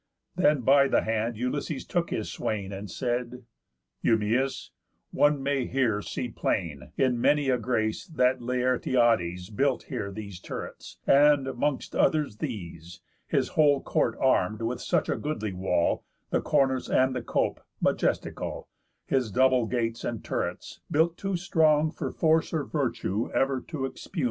Then by the hand Ulysses took his swain, And said: "Eumæus, one may here see plain, In many a grace, that Laertiades Built here these turrets, and,'mongst others these, His whole court arm'd with such a goodly wall, The cornice, and the cope, majestical, His double gates, and turrets, built too strong For force or virtue ever to expugn.